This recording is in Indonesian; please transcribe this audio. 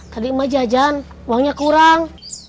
tadi emak jajan uangnya kurang